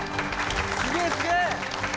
すげえすげえ！